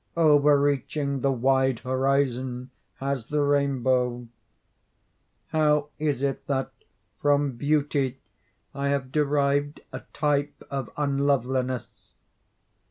Overreaching the wide horizon as the rainbow! How is it that from beauty I have derived a type of unloveliness?